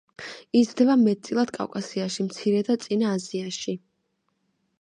იზრდება მეტწილად კავკასიაში, მცირე და წინა აზიაში.